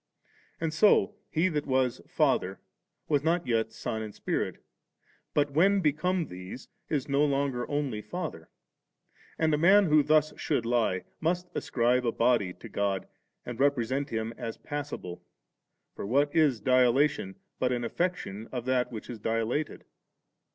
And so, He that was Father was not ]jret Son and Spirit ; but, when become Thes^ is no longer only Father. And a roan who thus sho^d li^ must ascribe a body to God, and repre sent Him as passible ; for what is dilatation, but an affection of that which is dilated?